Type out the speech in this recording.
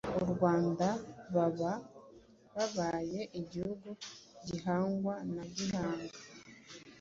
u Rwanda, baba babaye igihugu , gihangwa na Gihanga